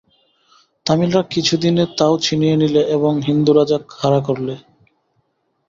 তামিলরা কিছুদিনে তাও ছিনিয়ে নিলে এবং হিন্দুরাজা খাড়া করলে।